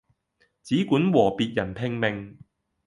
只管和別人拼命